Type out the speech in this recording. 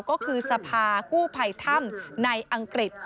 ก็คือสภากู้ภัยถ้ำในอังกฤษ